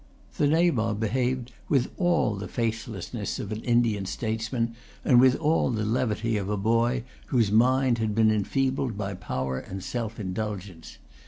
The Nabob behaved with all the faithlessness of an Indian statesman, and with all the levity of a boy whose mind had been enfeebled by power and self indulgence.